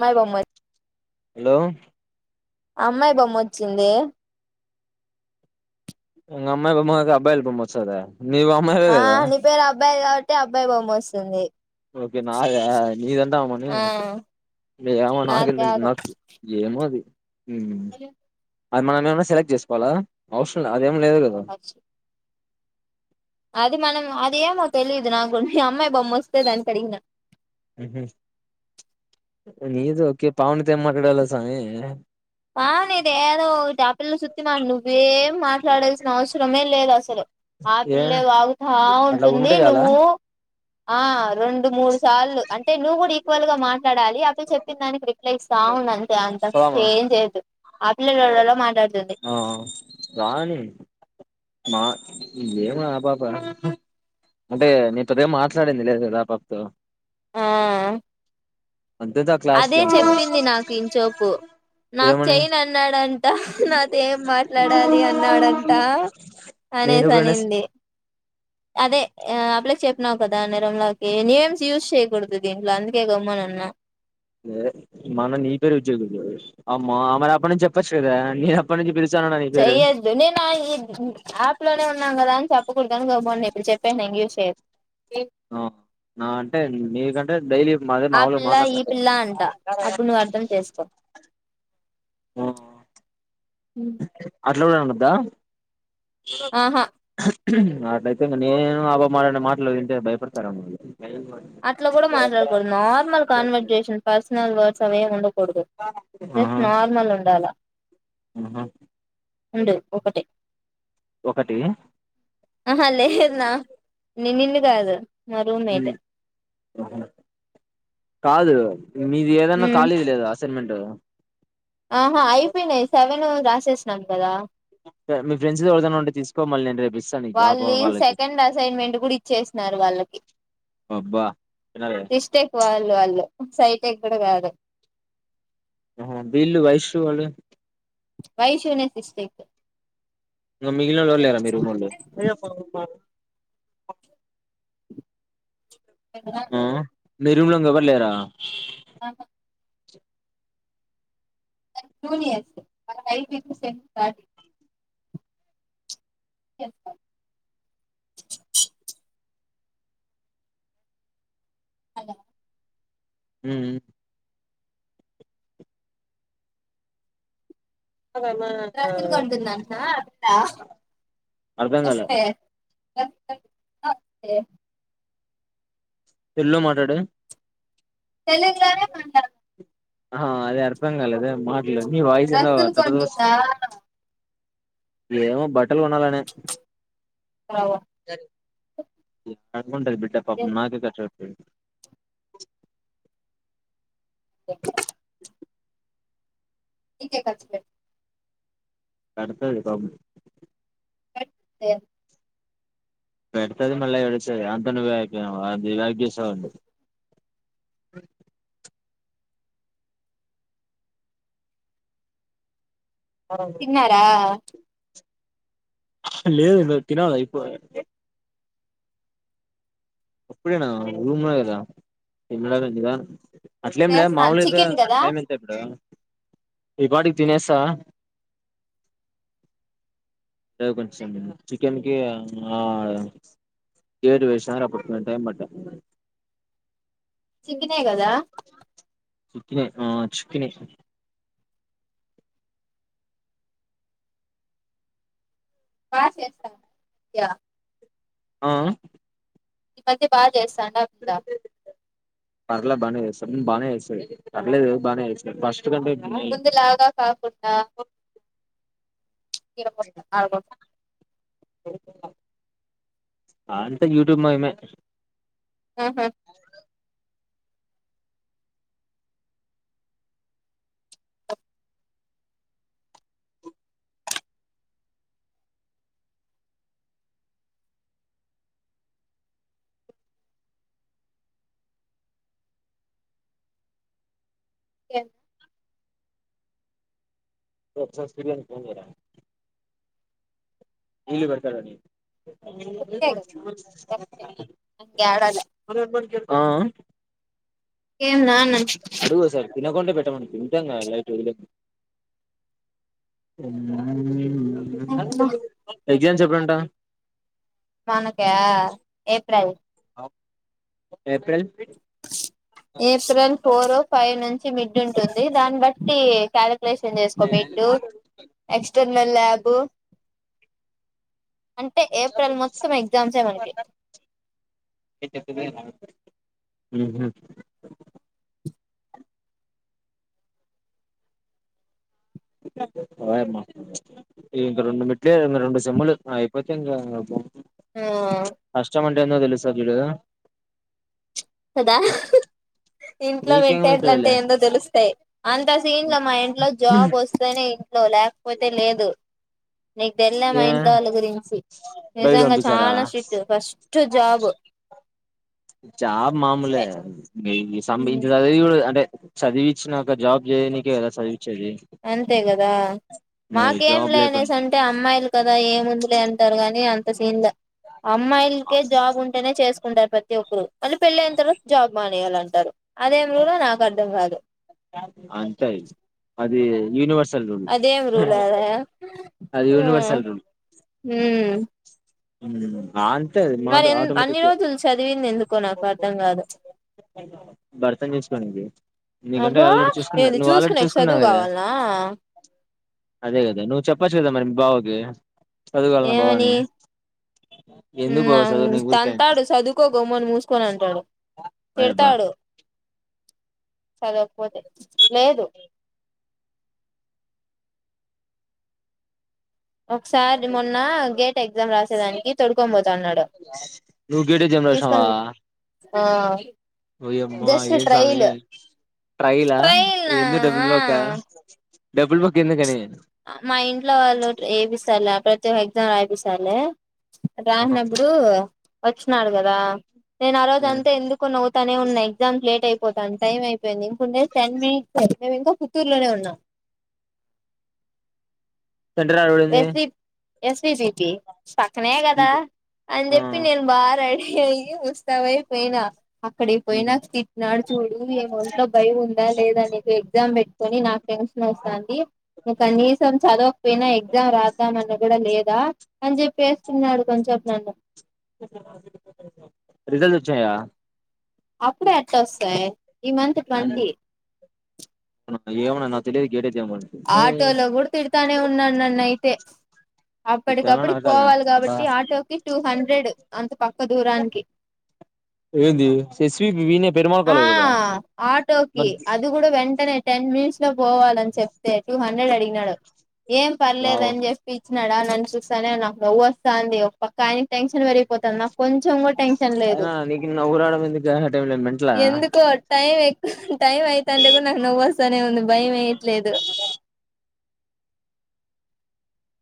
మాయి బొమ్మలు హలో అమ్మాయి బొమ్మొచ్చింది అంగ అమ్మాయి బొమ్మ అబ్బాయిల బొమ్మ వచ్చదా నీవు అమ్మవే గదా బ్బాయి కాబట్టి అబ్బాయి బొమ్మ వస్తుంది ఓకే నాదా మీదంటే అమని ఆ ఏమో నాది నాకేం తెలుసు కాదు నాకు ఏమో హు అది మనం ఏమన్నా సెలక్ట్ చేసుకోలా అవసరంలా అదేం లేదు కదా అది మనం అద ఏమో తెలీదు నాకు కొంచెం అమ్మాయి బామ్ మొస్తేద అని అడిన నీద ఒకకే పావున త మాట్లాడాల సాయ ఆ నీదేదో ఇ ఆ పిల్ల చుత్ి మా నువ్వేం మాట్లాడాల్సిన అవసరమే లేదు అసలు ఆ ఏ పిల్లే వాగుతా అట్లా ఉంటుంది ఉంటే చాలా నువ్వు ఆ రెండు మూడు సార్లు అంటే నువ్వు కూడా ఈక్వల్ గా మాట్లా అడాలి అప్పుడు చెప్పందా క్రికెట్ లైక్ సౌదీ అంతే పోదామా అంత లలోర మాట్లాడు ఆ రాణి మా ఏము ఆ పాప అంటే నేను తద మాట్లాడింది లేదు కా పాపతో ఆ అంతేతో ఆ క్లాస్ అదే లో చెప్పింది నాకు ఇంచోపు నాకు ఏమని చెయన్ అన్నాడంట నాతో ఏం మాట్లాడాలి అన్నాడంట నేను కానేసి ఎప్పుడైనా అనింది అదే ఏ అప్ప్లె చెప్పినావు కదా నేరంలోకి నేమ్స్ యూజ్ చేయ్యకూడదు ఇంట్ల అందుకే గమ్మునున్న ఏ మా అన్న నీ పేరు ఉద్యోగులు అమ్మ అమెన అప్పటి నుంచి చెప్పచ్చు కదా నేను అప్పటి నుంచి పిలుస్తూ చెయొద్దు నేను యాప్ లోనే ఉన్నాను కదా అని చెప్పకూడదు గమ్మున ఉన్న ఇప్పుడు చెప్పాను యూస్ చెయొద్దు ఆ నా అంటే మీగంటే డైలీ అదే ఆ మాములుగా పిల్ల ఈ మాట్లాడతాను పిల్ల అంట అప్పుడు నువ్వు అర్థం చేసుకో ఆ, అ ఇంట్లో కూడఉండొద ఆహా అంటాయితే ఇంక నేను ఆ పాప మాట్లాడిన మాటలు వింటే భయపడతార ఏమో.. అట్లా కూడా మాట్లాడకూడదు నార్మల్ కాన్వర్జేషన్ పర్సనల్ వర్డ్ సమయం ఉండ కూడదు జస్ట్ ఆహా నార్మల్ ఉండాలా ఆహా రెండు ఒకటి ఒకటి ఆ లేలేదు నా ననును కాదు మా రూమ్మేట్ కాదు మీది ఏదన్న ఖాళీదు లేద అసైన్మెంట్ ఆహ అయిపోయినాయి సెవెన్ రా చేేసన్నాం కదా మీ ఫఫ్రెండ్స్ ఎవరిది ఆయన ఉంటే తీసుకో మళ్ నేను రేపు ఇస్తాను నీకు ఆ వాళ్ళు పా- వాళ్ళకి సెకండ్ అసైన్మెంట్ కూడా ఇచ్చేసినారు వాళ్ళకి అబ్బా వినాలి సిస్టెక్ వాళ్ళు వాళ్ళకి సైట్ ఎక్కడ కాదు బిల్లు వైషూ వాళ్ళు వైశూనేె సిస్కెట్ ఇంక మిగిలినోళ్లు ఎవళ్లేరా మీ రూమొళ్లు [unintelligible] ఓ ఆ నీ రూమ్ లో ఇంకా ఎవరు లేరా ఆహా మాకు juniors why need to send that అద ఉమ్ డ్రెస్ లు కొంటుందంటన అ అర్ధం కాలే వస్తే [inaudible] ఎల్లో మాట్లాడే తెలీ ఆ అది అర్థం కాలేదె మా డ్రెస్సులు కొంటదా ఏమ బట్ బట్టలు కొనాలనే అంట బిడ్డ పాపం నాకే కచ్చ ఏ ఇకే కసి కడతది పాపం స పెడతది మళ్ళీ ఏడుస్తది అంత నువ్వే అయిపో గొట్నావ్ [unintelligible] తిన్నారా లేదు తినాలా ఇప్పు అప్పుడెనా రూ తినలేదు నిధనం అట్ల ఏం లె చేస్తాను మాముల్గయితె చికెన్ కదా టైమ్ ఎంత ఇప్పుడు ఈ పాటికి తినేసా కొంచ చికెన్ కి ఆ గేటు వేసారు అప్పుడు కొంచెం టై పట్టా చికెన్ ఏ గదా చికెన్ చ్చు ఆ చికెన్ ఏస్ బా చేస్త యా ఆ ఈ మధ్య బాగ్ చేస్తాండా ఆప్త పర్లే బానే చేస్తాం బానే చేస్తది పర్లేదు బానే చేస్తుదీ ఫా ష్ స్ ముందులాగా కాకుండా ఈడ గొడిత్ ఆడ గొట్ ఆ అంటే యూట్యూబ్ మయిమే ఆహా ఏ రే ఒకసారి సూరి గానికి చేయి రా ఇల్లు కడతాడని కుక్కే కదా లేకపోతే ఇంకేడాలే అదే మన కెర్ ఆ ఆ ఏన్నా న్నాన్ అడుగు ఓసారి తినకుంటే పెట్టమను తింటంగా లైక్ ఎ అమ్ [unintelligible] ఎగ్జామ్స్ ఎప్పుడంట మనకా ఏప్రిల్ ఏప్రిల్ పి ఏప్రిల్ ఫోరో ఫైవ్ ను చ్చి మిడ్ ఉంటుంది దాన్ని బట్టి టాలెం క్యులేషన్ చేసుకో మిడ్ ఎక్స్ట నేల్యాబు అంటే ఏప్రిల్ మొత్తం ఎగ్జామ్స్ ఏ మనకి అహ వాయమ్మ ఇవి ఇంకా రెండు మిడ్ల్లే రెండు సేమ్ములు అయిపోతే ఇంకా బా ఆ ఏందో తెలుస్తాది చూడు కదా హ్ హ్ ఇంట్లో వింటేజ్లంటే మీకేమైతదిలే ఏందో తెలుస్తాయి అంత సీన్ లో మా ఇంట్లో జాబ్ వస్తానే లో లేకపోతే లేదు నీకు తెల్లే మా ఏ ఇంట్లో వాళ్ళ గురించి బయట నిజంగా పంపిస్తారా చాలా స్టిట్ ఫస్ట్ జాబ్ చాలా మాములే ఈ సంబిచు ఇ అది అంటే చదివించినాక జాబ్ చేయనికే కదా చదివిన్ అంతే కదా మరి మాకేం జాబ్ లేనేసి లేకుండా అంటే అమ్మాయిలు కదా ఏముంది లే త్తరు గాని అంత సీన్ లే అమ్మాయిలకే జాబ్ ఉంటేనే చేసుకుంటారు పెద్ద ప్రతి ఒక్కరు అంటే పెళ్ళి అయిన తర్వాత జాబ్ మానేయాలంటారు అదే మురిగులో నాకు అర్థం కాదు ని యూనివర్సల్ రూల్ అదేం రూల్ ఆది అది ఉ యూనివర్సల్ ఉ హ్మ్ ఆ టది అ మరి మాటో ఎన్ అన్ని ఆటోమేటిక్గా రోజులు చదివింది ఎందుకో నాకు అర్థం కాదు భర్తని చూసుకోనికే నీకంటే అబ్బా ఆల్రెడీ చూసుకున్నాడ్ ఏది నువ్వు ఆల్రెడీ చూసుకునేకి చూసుకున్నావు చదువు కదా కావాలనా అదే కదా నువ్వు చెప్పోచ్చు కదా మరి బావ్ ఏ చదువలన్న భవానీ హు అమ్ ఊరికే తంతాడు చదువుకో గమ్మున మూసుకొని అంటాడు అయబ్బా తిడతాడు చదవకపోతే లేదు ఒకసారి మొన్న గేట్ ఎగ్జామ్ రాసేదానికి తొడుకొని పోతాన్నాడు నువ్వు గేటే జంప్ తీసుకొని ఆ ఒయ్యమ్మా జస్ట్ ఏం సామి ట్రైల్ ట్రైలా ట్రైల్ నా ఎందుక్ డబ్బుల్ బొక్కా డబ్బుకు బొక్క ఎందుకని మా ఇంట్లో వాళ్ళు ఏపిస్తాలి ప్రతి ఎగ్జామ్ వేపిస్తాలే రానప్పుడు వచ్చినాడు కదా నేను ఆ రోజ అంతే ఎందుకు నవ్తానే ఉన్నాయి ఎగ్జామ్ లేట్ అయిపో తాం టైం అయిపోయింది ఇంండే టెన్ మినిట్స్ అ మేము ఇంకా పుత్తూరులోనే ఉన్నాం సెంటర్యాడ పడింది ఎస్. వి. జీ. టి పక్కనే కదా అని ఆ చెప్పి నేను బారెడీ ఎం వస్తావేపోయినా అక్కడికిపోయినాక తిట్టినాడు చూడు ఏ ఒంట్లో భయం ఉందా లేదా నీకు ఎగ్జామ్ పెట్ కొనీ నాక్ టన్షన్ వస్తుంది కనీసం చదువు వినైగ్ ద్దాం రాద్దాం అన్న కూడా లేదా అని చెప్పి వేసున్నాడు కొంచెం నన్ను రిజల్టోచ్చాయా అప్పుడే అట్లాస్య ఈ మంత్ ట్వంటీ ఏమొ న నోత్తతె గడ ఆటోలో కూడా తిడతానే ఉన్నాను నన్ను అయితే తిట్టాలనా అప్పటికప్పుటికి నరకాలనా పోవాలి అబ్బా కాబట్టి ఆటోకి టూ హండ్రెడ్ అంత పక్క దూరానికి ఏంది ఎస్వి వీనే పెరుమాళ్ ఆ కాలేజ్ కదా ఆటోకి మరి అది కూడా వెంటనే టెన్ మినిట్స్ లో పోవాలని చెప్తే టూ హండ్రెడ్ అడిగినాడు ఏం వావ్ పర్లేదని చెప్పిచ్చ ఉన్నాడా నన్ను చూస్తానే నాకు నవ్వు వస్తా అంది ఒక పక్క ఆయన టెన్షన్ పెరిగిపోతుంది ఆనా అయనా నీకు నవ్వు రావడం ఏంది టై మంట ఎందుకో ఏకు టైం అయితంటే కూడా నాకు నవ్ వస్తానే ఉంది భయం వేయట్లేదు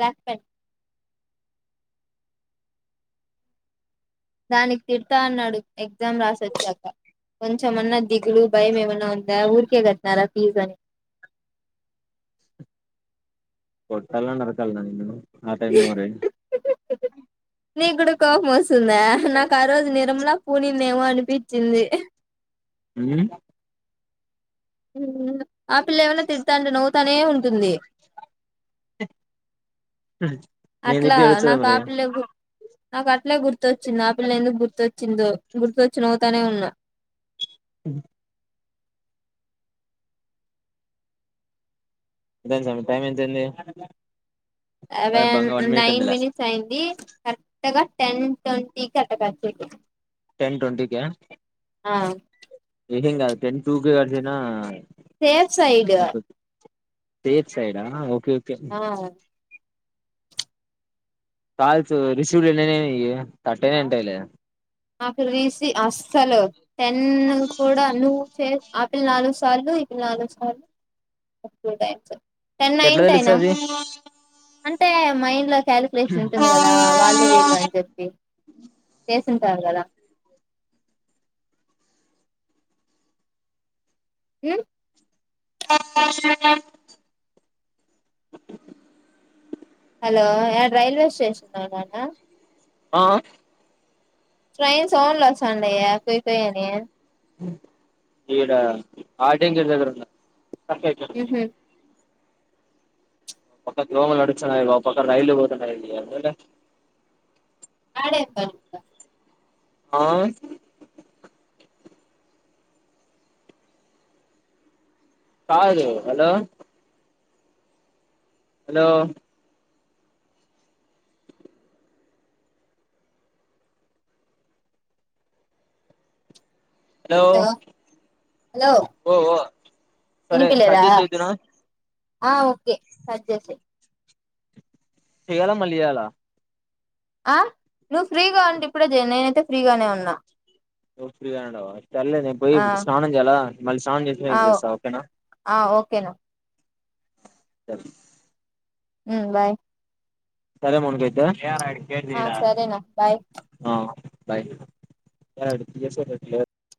లాక్ దానికి తిడతా అన్నాడు ఎగ్జామ్ రాసొచ్చాక కొంచెమన్న దిగులు భయం ఏమైనా ఉందా ఊరికే కట్నారా ఫీజ్ అని కొట్టాల నరకల్న నిన్ను ఆ టైమ్ నె మరి న గుడు కోపం వస్తుందా నాకు ఆ రోజు నిరంలా పూనిందేమో అనిపించింది మ్ ఉ ఆపిల్ ఏమైనా తిడతాంటే నవ్వుతనే ఉంటుంది, నేను అట్లా తిడితే ఏడుస్తావా నాకు మరి ఆపిల్ గు నాకు ఆ పిలే గుర్తొచ్చింది ఆపిల్ ఎందుకు గుర్తొ చ్చిందో గుర్తుొచ్చి నవుతానే ఉన్నా అదా స టైం ఎంతంది సెవెన్ నైన్ మినిట్స్ అయింది కరెక్ట్ గా టెన్ ట్వంటీ క అట్ట ే టెన్ ట్వంటీ క ఆ నీకేం కాదు అ టెన్ టూ క గడసిన సేఫ్ సైడ్ సేఫ్ సైడ్ ఆ ఓకే ఓకే ఆ కాల్స్ రిసీవ్డ్ ఎన్ని అయినాయి నీవి థర్టీ నే అయింటాలే అక్కడ తీసి అస్సలు టెన్ను కూడా నువ్వు చే ఆపిల్ నాలుగు సార్లు ఇప్పుడు నాలుగు సార్లు ఉంటాయి సార్ టెన్ ఎట్లా నైన్త్ అయినా తెలుస్తది అంటే మైన్ కాలిక్యులేషన్ ఉంటుంది కదా వాళ్ళు వీళ్ళు అని చెప్పి చే ద ఉమ్ ఆస్ హలో యాడ రైల్వే స్టేషన్లో ఉన్నావా ఆ ట్రైన్ సౌండ్లు వస్తున్నాయే కుయ్ కుయ్ అని ఈడ [unintelligible] దగ్గర ఉన్న అస ఉహు పక్క గోమలు నడుచనయి ఒక పక్క రైలు పోతున్నాయి అ ఆడేప్ప ఆ కాదు హలో హలో హలో హలో ఓఓ సరే వినిపిలేదా కడ్జేసి చేద్దున ఆ ఓకే కట్ చేసేయి చేయాల మళ్ళ చేయాల ఆ నువ్వు ఫ్రీగా ఉంటే ఇప్పుడ ఏ చెయ్ నేనైతే ఫ్రీగానే ఉన్నా నువ్వు ఫ్రీగా ఉండవ సర్లే నేను పోయి ఆ స్నానం చేయాలా మళ్ళీ స్నానం చేసిన చేస్తా ఓకేనా కెన్ సరే ఉమ్ బాయ్ సరే మౌనిక అయితే ఆ సరేనా బాయ్ ఆ బాయ్